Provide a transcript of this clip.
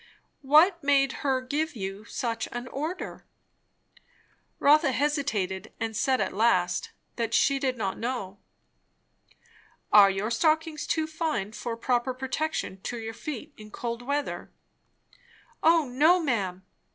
"What made her give you such an order?" Rotha hesitated, and said at last she did not know. "Are your stockings too fine for proper protection to your feet in cold weather?" "O, no, ma'am!